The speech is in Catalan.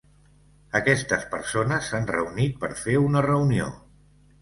Aquestes persones s'han reunit per fer una reunió.